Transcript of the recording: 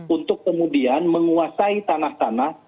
untuk kemudian menguasai tanah tanah